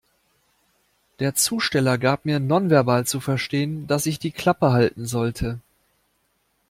Der Zusteller gab mir nonverbal zu verstehen, dass ich die Klappe halten sollte.